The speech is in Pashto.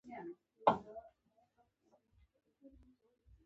د انګریز او روس په مقابل کې.